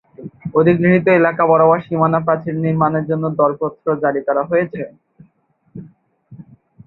অধিগৃহীত এলাকা বরাবর সীমানা প্রাচীর নির্মাণের জন্য দরপত্র জারি করা হয়েছে।